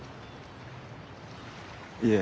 いえ。